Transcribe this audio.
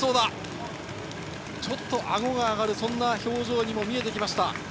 ちょっとあごが上がる、そんな表情に見えてきました。